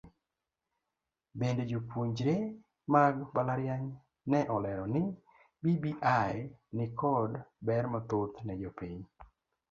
Bende jopuonjre mag mbalariany ne olero ni bbi nikod ber mathoth ne jopiny.